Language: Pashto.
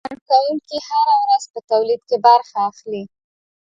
کارکوونکي هره ورځ په تولید کې برخه اخلي.